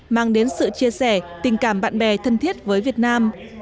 mang đến sự chia sẻ tình cảm bạn bè thân thiết với việt nam